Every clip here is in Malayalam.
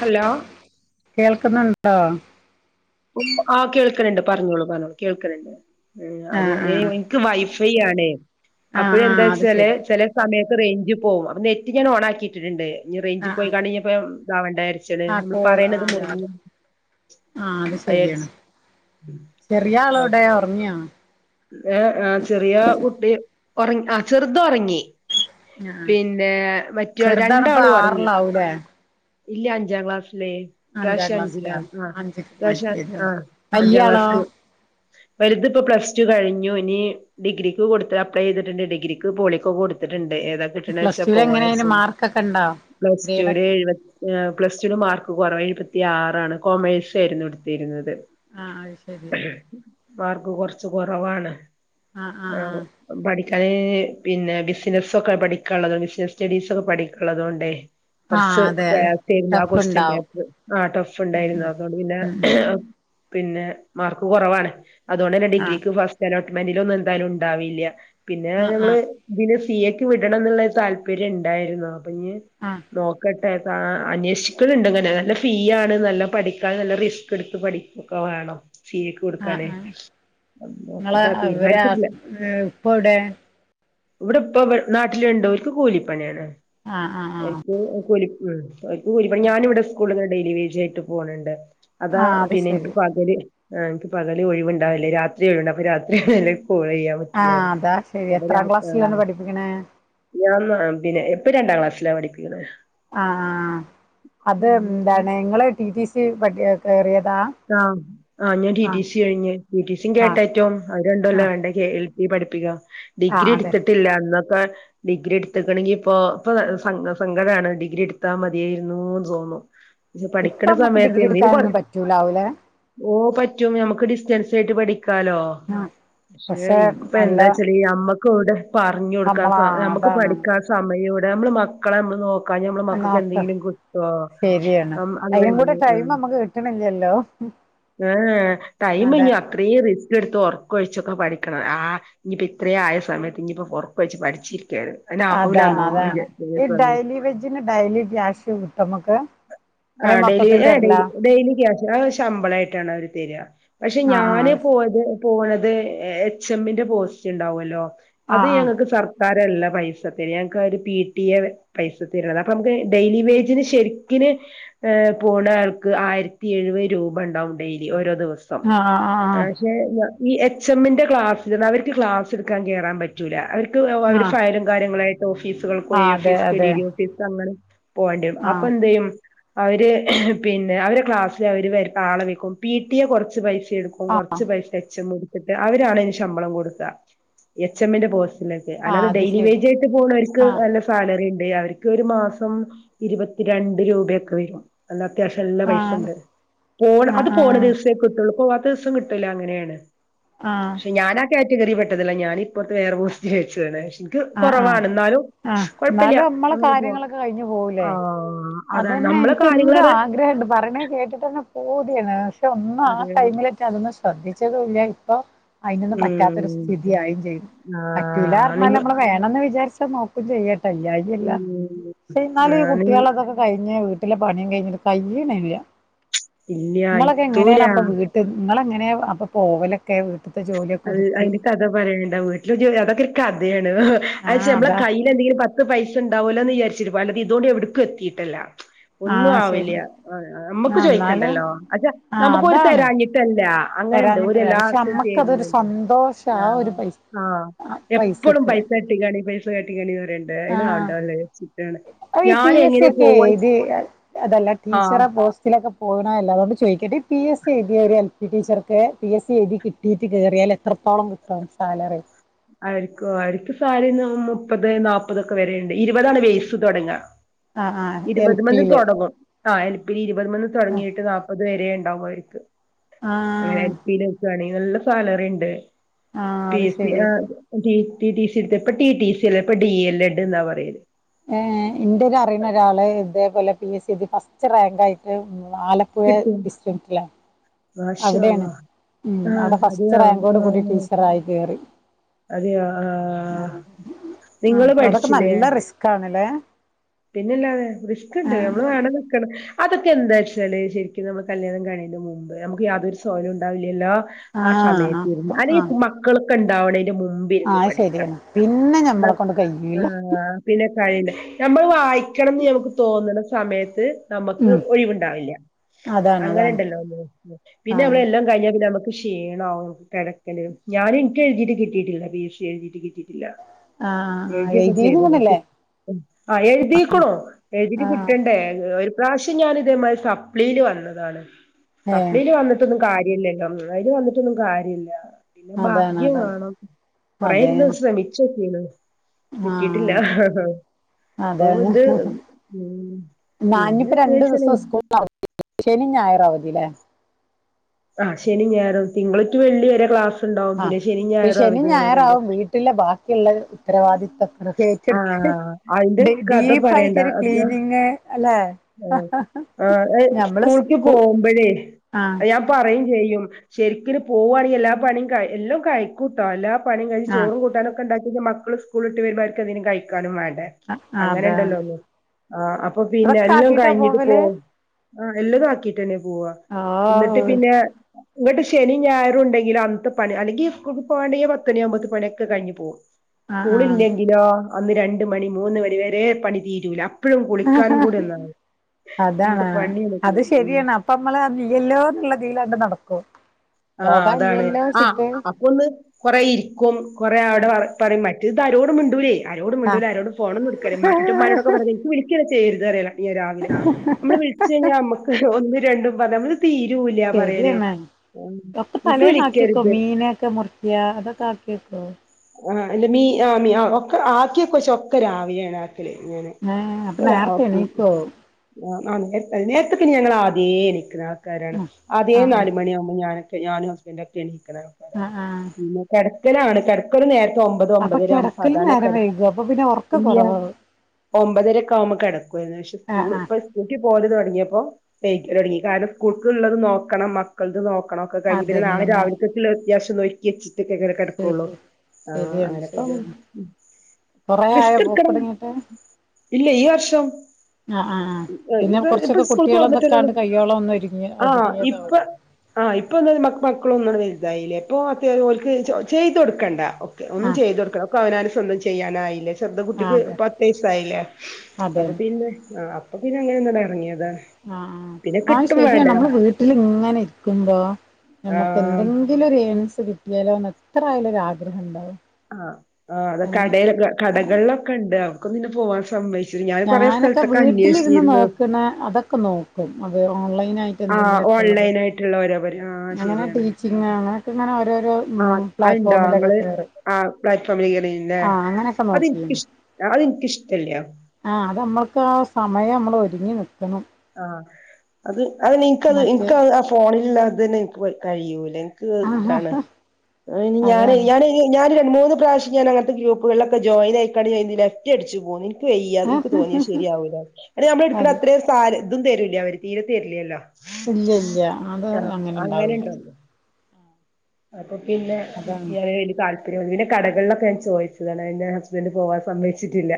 ഹലോ കേൾക്കുന്നുണ്ടോ ഉം ആഹ് കേൾക്ക്ണ് ണ്ട് പറഞ്ഞോളൂ പറഞ്ഞോളൂ കേൾക്ക്ണ് ണ്ട് ഉം ആദ്യം ആഹ് ഏഴ് ആഹ് മിൻ ക്ക് വൈഫൈ ആണേ ആഹ് അപ്പോഴെ എന്താ ആഹ് അത് വെച്ചാല് ശരി ചെല സമയത്ത് റേഞ്ച് പോവും അപ്പ നെറ്റ് ഞാൻ ഓൺ ആക്കി ഇട്ടിട്ട്ണ്ട് ഇനി റേഞ്ച് ആഹ് പോയി ആഹ് കാണ്ട് ഇനി ഇപ്പ ഇതാവണ്ട വിചാ ച്ചാല് ആഹ് നമ്മൾ കോൾ ആഹ് പറയ്ണത് അതെ മുറിഞ്ഞു അതെ ആഹ് അത് ശരിയാണ് വിചാരിച്ച് ചെറിയാളവ്ടെ ഉറങ്ങിയോ ആഹ് ആഹ് ചെറിയ കുട്ടി ഒറ ആഹ് ചെർതൊർങ്ങി. ആഹ് പിന്നെ മറ്റോല് ചെറുതാണിപ്പോ രണ്ടാളും ഒർങ്ങി. ആറിലാവൂലേ ഇല്ല അഞ്ചാം ക്ലാസ്സിലേ അഞ്ചാം ഇപ്രാശ്യം ക്ലാസ്സിലാ അഞ്ചിലാണ് ആഹ് അഞ്ചക്ക് ഇപ്രാശ്യം മാറ്റിയത് ആഹ് വല്യ അഞ്ചാം ആളോ ക്ലാസ് വലുത്പ്പൊ പ്ലസ് ടു കഴിഞ്ഞു ഇനി ഡിഗ്രിക്ക് കൊടുത്ത് അപ്ലൈ ചെയ്തിട്ണ്ട് ഡിഗ്രിക്ക് പോളിക്കോ കൊടുത്തിട്ട്ണ്ട് ഏതാ പ്ലസ് കിട്ട്ണച്ചാ ടുവിൽ എങ്ങനെ അയിന് പോവാച്ച് മാർക്കൊക്കെ ഉണ്ടോ പ്ലസ്ടുല് ഗ്രേഡൊക്കെ എഴുപ ഏ പ്ലസ് ടുല് മാർക്ക് കൊറവാ എഴുപത്തി ആറാണ് കോമേഴ്സായിരുന്നു എടുത്തിരുന്നത്. ആഹ് അത് ശരി മാർക്ക് കൊർച്ച് കൊറവാണ് ആഹ്. പഠിക്കാന് പിന്നെ ബിസിനസ്സൊക്കെ പഠിക്കാള്ളത് ബിസിനസ്സ് സ്റ്റഡീസൊക്കെ പഠിക്കാള്ളതോണ്ടേ കൊർച്ച് ആഹ് അതെ അതെ പ്രയാസേന്നു ആ ടഫ് കൊസ്സ്റ്റ്യൻ ഉണ്ടാവും പേപ്പർ ആ ടഫ് ഉം ഇണ്ടായിരുന്നു അതോണ്ട് പിന്നെ ഉം ഉം ഉം പിന്നെ മാർക്ക് കൊറവാണ് അതോണ്ടന്നെ ആഹ് ഡിഗ്രിക്ക് ഫസ്റ്റ് അലോട്ട്മെന്റിലൊന്നും എന്തായാലുണ്ടാവില്ല്യ പിന്നെ ആഹ് ഞങ്ങള് ആഹ് ഇതിന് സി എക്ക് വിടണംന്നുള്ള താല്പര്യം ഇണ്ടായിന്നു അപ്പൊ ഇഞ് ആഹ് നോക്കട്ടെ ആഹ് അന്വേഷിക്ക് ണണ്ട്ങ്ങനെ നല്ല ഫീ ആണ് നല്ല പഠിക്കാൻ നല്ല റിസ്ക്ക്ടുത്ത് പഠി ഒക്കെ വേണം ഫീ കൊടുക്കാനേ. ങ്ങളെ ഇവരെ ഇപ്പ എവ്ടെ? ഇവടെ ഇപ്പ നാട്ടില്ണ്ട് ഓൽക്ക് കൂലിപ്പണിയാണ്. ആഹ് ആഹ് ആഹ്. അവർക്ക് കൂലി ഉം ഓൽക്ക് കൂലിപ്പണിയാണ് ഞാനിവടെ സ്കൂള് ങ്ങനെ ഡെയിലി വേജായിട്ട് പോ ണണ്ട്. അതാ ആഹ് അത് പിന്നെ ഇൻക്ക് ശരി പകല് ഏ എനിക്ക് പകല് ഒഴിവ് ണ്ടാവല് രാത്രിഒഴിവ്ണ്ട് അപ്പൊ രാത്രി കോൾ ചെയ്യാ ആഹ് അതാ ശരി എത്രാം ക്ലാസ്സിലാണ് പഠിപ്പിക്കണെ? ഞാൻ ന്നാ പിന്നെ ഇപ്പ രണ്ടാം ക്ലാസ്സില പഠപ്പിക്കണേ. ആഹ് ആഹ് അത് എന്താണ് ഇങ്ങള് ടി ടി സി മറ്റേ കേറ്യതാ. ആഹ് ആഹ് ഞാൻ ടി ടി സി കഴിഞ്ഞ് ടി ടി സിം കെ ആഹ് ടെറ്റും അത് ആഹ് രണ്ടൊല്ലംവേണ്ടേ. എൽ പി പഠിപ്പിക്ക ആഹ് ഡിഗ്രി എ അതെ ട്‌ത്തിട്ടില്ല അന്നൊക്കെ ഡിഗ്രി എട്ത്ത്ക്ക്ണങ്കി ഇപ്പോ ഇപ്പ സങ്കടാണ് ഡിഗ്രി എട്ത്താ മത്യോയിരുന്നെന്ന് തോന്നും. പഠിക്ക്ണ സമയത്ത് എന്തേലും കൊർ ണ്ടാവുല്ലേ ഓ പറ്റും നമുക്ക് ഡിസ്റ്റൻസായിട്ട് പഠിക്കാലോ. ആഹ് ഏ പക്ഷെ ഇൻക്ക് ഇപ്പൊ നല്ല എന്താ ചെയ്യ ഞമ്മക്ക്വ്ടെ പർഞ്ഞൊട്ക്കാ നമ്മളാ സമ ഞമ്മക്ക് അതാണ് പഠിക്കാൻ സമയൊ വ്‌ ടെ നമ്മള് മക്കളെ നമ്മള് നോ ക്കാഞ്ഞ നമ്മളെ മക്കൾക്ക് നോക്ക് എന്തെങ്കിലും കിട്ടോ അങ്ങനെണ്ട് ഉം. കിട്ട്ണില്ലല്ലോ. ഏഹ് ഏഹ് ടൈംമില്ലഞ്ഞു അത്രീം റിസ്ക്കെട്ത്ത് ഉറക്കൊഴിച്ചൊക്കെ പഠിക്കണം ആഹ്. ഇഞ്ഞിപ്പോ ഇത്ര ആയ സമയത്ത് ഇനിയിപ്പൊ ഒർക്കൊഴിച്ച് പഠിച്ചിരിക്കേ അതാ അതാണ് ഈ ഡൈലി വെജിന് ഡൈലി ക്യാഷ് കിട്ടൊമ്മക്ക്. ആഹ് ഡെ ഏഹ് ഡെയിലി ക്യാഷ് ആത് ശമ്പളായിട്ടാണ് അവര് തെരാ. പക്ഷെ ഞാന് ആഹ് പോയത് പോണത് എച്ച് എമ്മിന്റെ പോസ്റ്റ് ഇണ്ടാവല്ലോ അത് ആഹ് ഞങ്ങക്ക് സർ ക്കാരല്ല പൈസത്തരാ ഞങ്ങക്ക് ആ ഒരു പി ടി എ പൈസ തര്ണത് അപ്പൊ നമുക്ക് ഡെയ്ലി വേജിന് ശരിക്കിന് ഏഹ് പോണാൾക്ക് ആയിരത്തി എഴുവെ രൂപണ്ടാവും ഡെയ്ലി ഓരോ ദിവസം. ആഹ് ആഹ് ആഹ് ഈ എച്ച് എമ്മിന്റെ ക്ലാസ്സില് അവർക്ക് ക്ലാസ്സെടുക്കാൻ കേറാൻ വേണ്ടി റ്റൂല അവര്ക്ക് അവര് ആഹ് ഫയലും കാര്യങ്ങളായിട്ട് ഓഫീസുകൾക്കോയി ആഹ് അതെ ഓഫീസ് കെ ഡി അതെ ഡി ഓഫീസ് അങ്ങനെ പോവണ്ടേരും അപ്പൊ ആഹ് എന്തെയ്യും അവര് പിന്നെ അവരെ ക്ലാസ്സില് അവര് വേറെ ആളെ വെക്കും പിടിയെ കുറച്ച് പൈസയെടുക്കും. അപ്പം ആഹ് കൊറച്ച് പൈസ എച്ച് എം എടുത്തിട്ട് അവരാണ് അയിന് ശമ്പളം കൊടുക്കാ എച്ച് എമ്മിന്റെ പോസ്റ്റിലൊ ക്കെ ആഹ് അല്ലാതെ അത് ഡെയിലി ശരി വേജായിട്ട് പോണവർക്ക് ആഹ് നല്ല സാലറിണ്ട് അവർക്ക് ഒരു മാസം ഇരുപത്തിരണ്ട് രൂപയൊക്കെ വരും. അല്ല അത്യാവിശ്യം നല്ല ആഹ് പൈസണ്ട് പോണ അത് ആഹ് ആഹ് പോണ ദിവസേ കിട്ടുള്ളൂ പോവാത്ത ദിവസം കി ട്ടൂല അങ്ങനെയാണ് ആഹ് ഇപ്പ ഞാനാ കാറ്റഗറി പെട്ടതല്ല ഞാന് ഇപ്പുറത്തെ വേറെ പോസ്റ്റ് വെച്ചതാണ്. ഇക്ക് ആഹ് ആഹ് കുറവാണ് എന്നാലും ആഹ് കുഴപ്പല്ല എന്നാലും നമ്മളെ അങ്ങനെ പോവാ കാര്യങ്ങളൊക്കെ കഴിഞ്ഞു പോവൂലേ ആഹ് അതന്നെ നമ്മളെ എനിക്ക് കാര്യങ്ങള് എന്ത് പറഞ്ഞാ ആഗ്രഹണ്ട് പറിണേ കേട്ടിട്ടന്നെ പൂതിയാന്ന് പക്ഷെ ഒന്നും ആഹ് അതെയോ ടൈമില് അതൊന്നും ശ്രദ്ധിച്ചതുല്ല ഇപ്പൊ അയിനൊന്നും പറ്റാത്തൊരു ഉം സ്ഥിതി ആയും ചെയ്യ്ത് പറ്റൂല ആഹ് നിങ്ങ പറഞ്ഞാല് വേണന്ന് വിചാരിച്ചാ നോക്കും ചെയ്യാട്ടോ ഇയ്യായില്ല ഉം പക്ഷേ എന്നാലും ഈ ഞാന് കുട്ടികൾ അതൊക്കെ കഴിഞ്ഞ് വീട്ടിലെ പണിയും കഴിഞ്ഞിട്ട് കയ്യിണില്ല ഇല്ല നിങ്ങളൊക്കെ എത്തൂല എങ്ങനെയാണ് അപ്പൊ വീ ട്ട് നിങ്ങള് എങ്ങനെ അപ്പോ പോവലൊക്കെ വീട്ട്ത്തെ ജോലിയൊക്കെ അത് ഒതുക്കി അതിന്റെ കഥ പറയേണ്ട വീട്ടിൽ അതൊക്കെ ഒരു കഥയാണ് വെ ആഹ് നമ്മെ അതാ ക യ്യില് എന്തെങ്കിലും പത്ത് പൈസണ്ടാവല്ലോ വിചാരിച്ചിട്ട് അല്ലാതെ ഇത് കൊണ്ട് എവിടുക്കും എത്തിയിട്ടല്ല. ഒന്നും ആഹ് ആവില്ല ശരി നമ്മുക്ക് ആ എന്നാല് ചോയിക്കണ്ടല്ലോ അത് ആഹ് നമുക്ക് ഓര് അതാണ് തെരാഞ്ഞി ട്ടല്ല അങ്ങനെണ്ട് ഓര് തരാഞ്ഞിട്ടല്ല എല്ലാ പക്ഷെ ആവിശ്യത്തിനും അമ്മക്കതൊരു തര്ന്ന് സന്തോഷ ആ ഒരു ആഹ് പൈസ ആഹ് ആ എപ്പളും പൈസക്ക് പൈസ കാട്ടിക്കാണി പൈസ കാട്ടിക്കാണി പറയ ണ്ട അയിന് ആവണ്ടാന്ന് വിചാരിച്ചിട്ടാണ്. അപ്പൊ ഈ പി ഞാൻ എസ് സി എങ്ങനെ ഒക്കെ പോവാ എഴുതി അതല്ല ആഹ് ടീച്ചറെ പോസ്റ്റ് സിലൊക്കെ പോണോല്ലേ അത്കൊണ്ട് ചോയിക്കട്ടെ ഈ പി എസ് സി എഴുതിയൊര് എൽ പി ടീച്ചർക്ക് പി എസ് സി എഴുതി കിട്ടിയിട്ട് കയറിയാല് എത്രത്തോളം കിട്ടും സാലറി അവർക്കൊ അവർക്ക് സാലറീന്ന് മുപ്പത് നാപ്പതൊക്കെ വര്ണ്ട് ഇരുപതാണ് വേസ് തുടങ്ങാ ആഹ് ആഹ് എൽ ഇരുപത്മന്ന് പിയില് തുടങ്ങും. ആഹ് എൽപ്പിന്ന് ഇരുപത് മന്ന് തുടങ്ങിയിട്ട് നാല്പത് വരെ ഉണ്ടാവുമായിരിക്കും അങ്ങനെ ആഹ് എൽപ്പില് പണികള്ള് സാലറിണ്ട് ആഹ് പി അത് എസ് സി ശരി ആഹ് ടി ടി സി ഇടുത്തേ ഇപ്പ ടി ടി സി അല്ല ഇപ്പ ഡി എൽ എഡ് എന്നാ പറയല് ഏഹ് ഇൻ്റൊര് അറിയുന്ന ഒരാള് ഇതേപോലെ പി എസ് സി എഴുതി ഫസ്റ്റ് റാങ്കായിട്ട് ആല പ്പുഴ കിട്ടും ഡിസ്ട്രിക്ട്ലാ മാഷാ അവിടെണ് അള്ളാ ഉം ആ അവിടെ ഫസ്റ്റ് അതെയോ റാങ്കോട് ആ കൂടി ടീച്ചറായി കയറി. അതെയോ ആ ആഹ് ആഹ് നിങ്ങള് അതൊക്കെ പഠിച്ചില്ലേ നല്ല റിസ്ക്കാണ്ല്ലേ. പിന്നെല്ലാതെ റിസ്ക്ക്ണ്ട് നമ്മള് വേണം നിക്കണം അതൊക്കെ എന്താ വെച്ചാല് ശരിക്കും നമ്മൾ കല്യാണം കഴുന്നതിന് മുമ്പ് നമുക്ക് യാതൊരു സ്വഹലും ഉണ്ടാവില്ലല്ലോ ആഹ് സമയത്ത് ഇരുന്ന് അപ്പൊ അല്ലേ ആഹ് മക്കളൊക്കെ ഉണ്ടാവണേൻ്റെ മു മ്പ് ഇരുന്ന് ആഹ് പഠിക്കണം ശരിയാണ് പിന്നെ ഞമ്മളെ നട്ട് കൊണ്ട് കഴിയൂല ആഹ് പിന്നെ കഴിയില്ല നമ്മൾ വായിക്കണംന്ന് ഞമുക്ക് തോന്ന്ണ സമയത്ത് നമക്ക് ഉം ഒഴിവുണ്ടാവില്ല അതാണ് അതാണ് അങ്ങനെണ്ടല്ലോ പിന്നെ നമ്മള് ആഹ് എല്ലാം കഴിഞ്ഞാ പിന്നെ നമക്ക് ക്ഷീണാവും കിടക്കേണ്ടി വരും ഞാൻ എനിക്ക് എഴുതിട്ട് കിട്ടിയിട്ടില്ല പി എ സ്സി എഴുതിട്ട് കിട്ടിയിട്ടില്ല ആഹ് ആഹ് എഴുതിയൊക്കെ എഴുതിന്ന് ചെയ്തീണ് കി തോന്നല്ലേ ആഹ് എഴ്തിക്ക്ണു എഴ്തിട്ട് ആഹ് കിട്ടണ്ടേ ഒര് പ്രാവശ്യം ഞാൻ ഇതേമാതിരി സപ്ലിയില് വന്നതാണ് ഏഹ് സപ്ലിയില് വന്ന് ട്ടൊന്നും കാര്യല്ലല്ലോ അയില് വന്നിട്ടൊന്നും കാര്യല്ല പിന്നെ അതാണ് ഭാഗ്യം അതാണ് വാണം കൊറേ ഇരുന്ന് അതേണ് ശ്രമിച്ച് നോക്കീക്ക്ണ് കിട്ടീട്ടില്ല ആഹ് അതാണ് ഉം ന്നാ പിന്നെ ഇഞ്പ്പൊ രണ്ട് എന്താച്ചാല് ദിവസം സ്കൂ ള് അവധിയല്ലേ ശനി ഞായറു അവധി ല്ലേ ആഹ് ശനി ഞായറും തിങ്കൾ റ്റു വെള്ളി വരെ ക്ലാസ് ഉണ്ടാവും ആഹ് പിന്നെ ശനി അപ്പ ഈ ഞായറും ശനി അവധിയാണ് രണ്ടും ഞായറാവും വീട്ടിലെ ബാക്കിയുള്ള ഉത്തരവാദിത്തൊക്കെ ആ ഏറ്റെട്ക്ക്ണ് അതിന്റെ ഡ് കഥ ഡീപ്പ് പറയണ്ട ആയിട്ടൊരു അത് ഞാൻ ക്ലീനിങ് അല്ലെ നമ്മള് സ് ല് പോവുമ്പഴേ. ആഹ്. അഹ് ഞാൻ പറയും ചെയ്യും ശരിക്ക്ന് പോവാണെങ്കി എല്ലാ പണിയും ക എല്ലൊം കഴി ക്കുട്ടോ എല്ലാ പണിം കഴിച്ച് ആഹ് ചോറും കൂട്ടാനൊക്കെ ഇണ്ടാക്കിയെച്ചാ മക്കള് സ്കൂള് വിട്ട് വെരുമ്പൊ അവര്ക്കെന്തേനും കഴിക്കാനും വേണ്ടേ. ആഹ് അങ്ങനെ അതെ ഇണ്ടല്ലൊ ഒന്ന് ആഹ് അപ്പൊ പിന്നെ അതൊക്കെ എല്ലവും ആക്കിട്ടാ കഴിഞ്ഞിട്ട് പോവല് പോവും. ആഹ് എല്ലതും ആക്കിയിട്ടെന്നെ പോവാ. ആഹ് വ് ട്ട് പിന്നെ. ഇന്നട്ട് ശനി ഞായറും ഉണ്ടെങ്കില് അന്ന്ത്തെ പണി അല്ലെങ്കിൽ സ്‌കൂൾക്ക് പോകാണ്ടെങ്കി അഹ് പത്തണി അവ്മ്പത് പണിയൊക്കെ കഴിഞ്ഞു പോവും ആഹ് സ്കൂള് ആഹ് ഇല്ലെങ്കിലോ അന്ന് രണ്ട് മണി മൂന്ന് മണി വരെ പണി തീരൂല. എപ്പഴും കുളിക്കാനും കൂടി ഒന്നാണ്ട് അന്നത്തെ പണിയൊന്നും തീർ [unintelligible] അപ്പ അമ്മള് ആ ഇന്നില്ലല്ലോ ന്ന്ള്ളതിലാണ്ട് നടക്കും പോകാന് ഇല്ലല്ലോച്ച്ട്ട്. ഇതൊന്ന് കൊറേ ഇരിക്കും കൊറേ അവ്ടെ വർത്താനം മറ്റെഹ് ഇതാരോടും മുണ്ടലേ ആരോടും ആഹ് മിണ്ടൂല്ല ആരോടും ഫോണ് ഒന്നു ഇട്ക്കെര് ഇമ്മ ഇന്റെ ഇമ്മനോടൊക്കെ പർഞ്ഞ്ക്ക്ണ് ഇൻക്ക് വിളിക്കെന്നെ ചെയ്യര്ത് പറയലാണ് ട്ട് ഞാൻ രാവിലെ നമ്മള് വിളിച്ച് കഴിഞ്ഞാ അമ്മക്ക് ഒന്നും രണ്ടും പറഞ്ഞാ അമ്മൾത് തീരൂല്ല പറയല്. ശരിയാണ് ഉം. ഒക്കെ എനിക്ക് തലേന്ന് ആക്കിയെക്കോ വിളിക്കരുത് മീനൊക്കെ മുറിക്ക്യാ അതൊക്കെ ആക്കിയെക്കോ ആഹ് അല്ല മീ ആഹ് മി ഒക്കെ ആക്കിയെക്കോയ്ച്ച ഒക്കെ രാവിലേണ് ട്ടല് മീന് ഏഹ് അപ്പൊ ഒക്കെ രാവ് നേരത്തെ ഉം എണീക്കോ ആഹ് നാല്മണി നേര്ത്തഹ് നേര്ത്തെ പിന്നെ ഞങ്ങളാദ്യേ എണീക്ക്ണ ആൾക്കാരാണ് ആഹ് ആദ്യേ ആഹ് നാല് മണിയാവു ക്കും ഞാനൊക്കെ ഞാനും ഹസ്ബൻഡ് ഒക്കെ എണീക്ക്ണ ആൾക്കാ അഹ് ആഹ് പിന്നെ കെടക്കലാണ് കെടക്കല് നേരത്തെ ഒമ്പത് അപ്പൊ ഒമ്പതരയാകുമ്പോ കിടക്കലും സാധാരണ നേരം കെട വൈകും അപ്പൊ പിന്നെ ഉറക്കം ഉമ്മ്യാ കുറവാവും ഒമ്പതരക്കെ ആവുമ്പോ കെടക്കോയ്ന്ന് പക്ഷെ ആഹ് സ്കൂൾ ആഹ് ഇപ്പ പൂട്ടി പോവല് തൊടങ്ങിയപ്പോ വെയ്കല് തൊടങ്ങി കാരണം സ്കൂൾക്ക്ള്ളതും നോക്കണം മക്കൾതും നോ ക്കണം ഒക്കെ കഴിഞ്ഞ്ട്ട് ന്നെ നാളെ അതന്നെ രാവിലെക്കക്ക്ള്ളഹ് അത്യാശം ഒന്ന് ഒരുക്കിവെച്ച് ട്ട് ക്കെ ഇങ്ങനെ കെടക്കൊള്ളു ശരി ആഹ് അങ്ങനെപ്പം ഉം കോറെന്നാളായോ പോക്ക്ഒടങ്ങിട്ട്. ഇല്ല ഈ വർഷം. ആഹ് ആഹ് എഹ് പിന്നെ ഇപ്പ ഇപ്പ കൊറച്ചൊക്കെ കുട്ടികളെ സ്കൂൾപോവുമ്പത്തന്നെ ഒള്ളു ഇതൊക്കാണ്ട് കയ്യോളം ഒന്ന് ഒരുങ്ങിയ ആഹ് ഇപ്പ ഒതുങ്ങിയതാവും ആഹ് ഇപ്പൊ ഒന്നാമത് മക്ക് മക്കളൊന്ന്ണ്ട് വെൽതായില്ലേ ഇപ്പൊ അത്യാവ് ഓല്ക്ക് ചെ ചെയ്തൊട്ക്കണ്ട ക്ക് ഒന്നും ആഹ് ചെയ്തൊട്ക്കണ്ട ഒക്കെ അവനാന് സ്വന്തം ചെയ്യാനായില്ലേ. ചെർതാ ആഹ് കുട്ടിക്ക് അതെ പത്ത് വയസ്സ് ആയില്ലേ അതെ അപ്പ പിന്നെ ആഹ് അപ്പൊ പിന്നെ അങ്ങനെ ഒന്ന്ണ്ട് അറങ്യേതാ. ആഹ് ആഹ് ആണ് ശരിയാണ് നമ്മള് വീട്ട്ല് ഇങ്ങനെ ഇരിക്കുമ്പളാ നമുക്ക് എന്തെ ആഹ് ങ്കിലൊരു ഏണിങ്സ് കിട്ടിയാലോന്ന് എത്ര ആയാലും ഒരു ആഗ്രഹം ഇണ്ടാവും. ആഹ് എഹ് അത് കടേലൊക്കെ കടകൾളൊക്കെ ഇണ്ട് അവ്ട്ക്കൊന്നും ഇന്നെ പോവാൻ സമ്മെയ് ഞാനൊക്കെ വീട്ടിലിരുന്ന് നോക്ക്ണ അതൊക്കെ നോക്കും അത് ഓൺലൈനായി. ആഹ് ഓൺലൈൻ ആയിട്ടുള്ള ഓരോ പരി, ആഹ് അങ്ങനെ ശരിയാണ്. ടീച്ചിങ് അതെ അങ്ങനെയൊക്കെ ഇങ്ങനെ ഓരോരോ ആഹ്. ഉം അത്ണ്ടോ പ്ലാറ്റ്ഫോമിലൊക്കെ ങ്ങള്, കേറി ആഹ്. പ്ലാറ്റ്ഫോമിൽ കേറീന്ല്ലേ. ആഹ് അങ്ങനെയൊക്കെ നോക്കിരുന്നു അതിൻക്കിഷ് അതിൻക് ഇഷ്ടല്ല്യ. ആഹ് അത് നമ്മൾക്ക് ആ സമയം നമ്മൾ ഒരുങ്ങി നിക്കണം. ആഹ് അത് അതെന്നെ ഇൻക്കത് മറ്റേ ഇൻക്കാ ആ ഫോണില്ള്ള അതന്നെ ഇൻക് പ കഴിയൂലേ. ക്ക് ആഹ് ഇതാണ് ഹ അയ്ന് ഞാനേ അതാണ് ഞാന ത് ഞാൻ രണ്ട് മൂന്ന് പ്രാവശ്യം ഞാന് അങ്ങൻത്തെ ഗ്രൂപ്പുകളിലൊക്കെ ജോയിൻ ആയിക്കാണ്ട് ഞാ അയ്ന്ന് ലെഫ്റ്റ് അടിച്ച് പോന്ന്. ഇൻ ക്ക് വയ്യ. ഇൻക്ക് തോന്നി യത് ശരിയാവൂലാന്ന്. ന്നട്ട് ഞമ്മൾ ഇട്ക്ണ അതെ അത്രിം സാല് ഇതും തരൂല്ലെ അവര് തീരെ തരില്ല്യല്ലോ. ഇല്ല്യ ല്ല്യ. അത് അങ്ങനെ ണ്ടാവൂല്ല. അങ്ങനെണ്ടോന്ന്. അപ്പൊ പിന്നെ അതാണ് കിട്ട്യാല് അയ്ല് താൽ പര്യം. [unintelligible] പിന്നെ കടകൾലൊക്കെ ഞാൻ ചോയ്ച്ചതാണ്. അത് ഇന്റെ ഹസ്ബൻൻ്റ് പോവാൻ സമ്മയിച്ചിട്ടില്ല.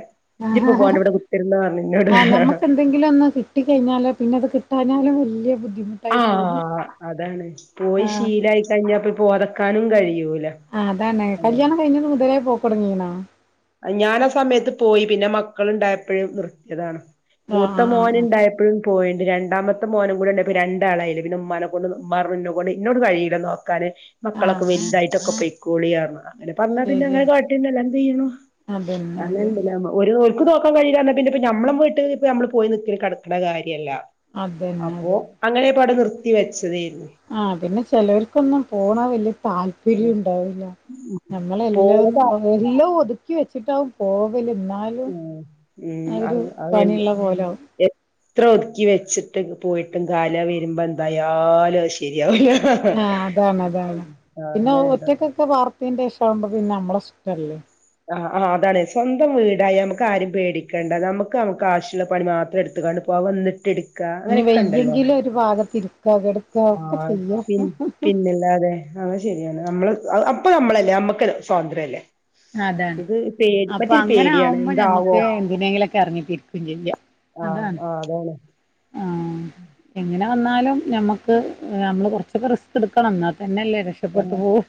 ഇജ്ജിപ്പൊ പോണ്ട ഇവടെ കുത്തിരുന്നോ ർഞ് ഇന്നോട്. ആഹ് ഞമ്മക്ക് എന്തെങ്കിലും ഒന്ന് കിട്ടി കഴിഞ്ഞാലോ പിന്നെ അത് കിട്ടാഞ്ഞാലും വല്ല്യ ബുദ്ധിമുട്ടായി തോന്നും. ആഹ് അതാണ്. പോയി ആഹ് ശീലായിക്കഴിഞ്ഞാ പ്പ പോവാതെക്കാനും കഴിയൂല. ആഹ് അതാണ്. കല്യാണം കയിഞ്ഞത് മുതലേ പോകൊട്ങ്ങീണോ? ഞാനാ സമയത്ത് പോയി പിന്നെ മക്കളുണ്ടായപ്പഴ് നിർത്തിയതാണ്. ആഹ് മൂത്ത ആഹ് മോന് ആഹ് ഇണ്ടായപ്പഴും. പോയിണ്ട് രണ്ടാമത്തെ മോനും കൂടെ ണ്ടായപ്പം രണ്ടാളായില്ലെ. പിന്നെ ഉമ്മാനെകൊണ്ട് ഉമ്മാ ർഞു ഇന്നെ കൊണ്ട് ഇന്നോട് കഴിയൂല്ല നോക്കാന്. ആഹ് മക്കളൊക്കെ വലുതായിട്ടൊക്കെ പൊയ്ക്കോളി പർണ്. അങ്ങനെ പർഞ്ഞാ പിന്നെ ശരി അങ്ങനെ കാട്ടെന്നെ. അല്ലാപ്പെന്തെയ്യ്ണു. അതന്നെ അതന്നെ [unintelligible] ഒരു ഓൽക്ക് നോകാൻ കഴിയില്ലാ പർഞ്ഞാ പിന്നെപ്പ ഞമ്മളെ വീട്ടില് ഇപ്പ നമ്മള് പോയി നിക്കല് കടക്ണ കാര്യല്ല. അതന്നെ അപ്പോ അതന്നെ അങ്ങനായപ്പവ്ടെ നിർത്തി വെച്ചതേര്ന്നു. ആഹ് പിന്നെ ചെലോർക്കൊന്നും പോണത് വല്യ താല് പിര്യു ണ്ടാവൂല്ല ഞമ്മളെല്ലതും പോണതാ ഒ എല്ലതും ഒതുക്കി വെച്ചിട്ടാവും പോവല്, ഇന്നാ ലും ഉം ഉം അതൊരു അത് അത് എല്ല് പണിള്ള പോലാവും. എ ത്ര ഒതുക്കി വെച്ചിട്ട് പോയിട്ടും കാര്ല വരുമ്പോ എന്തായാലും അത് ശരിയാവുലാ. ആഹ് ആഹ് അങ്ങനെണ്ട് ഒക്കെ പാർത്തേൻ്റേഷാവുമ്പം പിന്നെ നമ്മളെ ഇഷ്ടല്ലേ? ആഹ് ആഹ് അതാണെ. സ്വന്തം വീടായ നമുക്ക് ആരിം പേടിക്കണ്ട. നമുക്ക് നമുക്ക് ആവശ്യള്ള പണി മാത്രം എടുത്ത്ക്കാണ്ട് പോവ വന്നിട്ടിട് ഇഞ് വയ്യെങ്കിലും ഒരു ഭാഗത്ത് ഇര്ക്കാ കെട് ആഹ് പിൻ പിന്നല്ലാതെ. അത് ശരിയാണ് നമ്മള് അപ്പൊ നമ്മളല്ലേ അമ്മക്ക് സ്വാതന്ത്ര്യല്ലേ? അതാണ്. ഇത് പേടി അപ്പൊ മറ്റൊരു അങ്ങനെ പേടിയാണ് ആവുമ്പോ എന്താവോ ഞമ്മക്ക് എന്തിനേങ്കിലൊക്കെ എറങ്ങിത്തിരികും ചെയ്യ. ആഹ് ആഹ് അതാണ്. ആഹ്. എങ്ങനെ വന്നാലും ഞമ്മക്ക് നമ്മള് കൊറച്ചൊക്കെ റിസ്ക്ട്ക്കണം ഇന്നാ തന്നെല്ലേ. രക്ഷപ്പെട്ടു ആഹ് പോവൂ.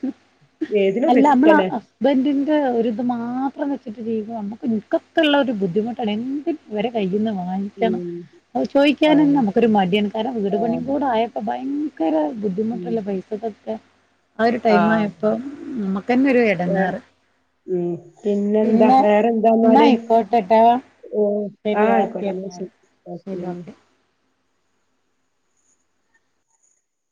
ഏതിനും അല്ല നമ്മള റിസ്കന്നെ അസ് ബെൻ്റിൻ്റെ ഒരിത് മാത്രം വെച്ചിട്ട് ചെയ്യുക നമുക്ക് ഇൻക്കൊക്കെള്ളൊരു ബുദ്ധിമുട്ടാണ്. എന്തിനും ഇവരെ കയ്യ്ന്ന് വാങ്ങിക്കണം. ഉം അഹ് ചോയിക്ക്യാനെന്നെ ആഹ് നമുക്കൊരു മടിയാണ്. കാരണം വീട് പണിം ആഹ് കൂടായപ്പം ഭയങ്കര ഉം ബുദ്ധിമുട്ടല്ലെ പൈസ കൊക്കെ. ആ ഒരു ടൈം ആയപ്പം നമക്കെന്നൊര് എ ഏഹ് ഉം പിന്നെന്താ? പിന്നെ വേറെന്താ എന്നാ എന്നാല്? ആയിക്കോട്ടെട്ടോ ഓഹ് ശരി ആഹ് ആയിക്കോട്ട ഓക്കെ ഇന്നാ എന്നാല് ശരി ഓക്കെ.